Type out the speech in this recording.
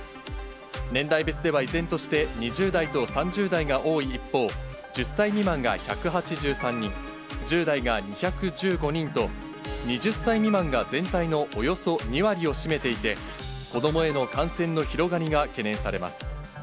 年代別では、依然として２０代と３０代が多い一方、１０歳未満が１８３人、１０代が２１５人と、２０歳未満が全体のおよそ２割を占めていて、子どもへの感染の広がりが懸念されます。